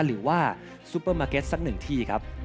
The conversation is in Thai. หรือว่าซุปเปอร์มาร์เก็ตสักหนึ่งที่ครับ